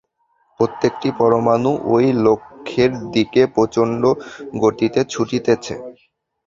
প্রত্যেকটি পরমাণু ঐ লক্ষ্যের দিকে প্রচণ্ডগতিতে ছুটিতেছে।